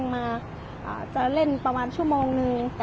สวัสดีครับทุกคน